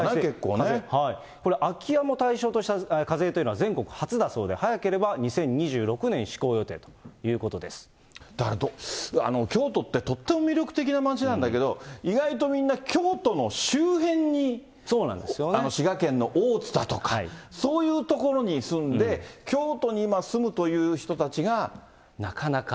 これ、空き家も対象とした課税というのは全国初だそうで、早ければ２０２６年施行予定ということだから京都って、とっても魅力的な町なんだけど、意外とみんな、京都の周辺に、滋賀県の大津だとか、そういう所に住んで、京都に今、住むというなかなか。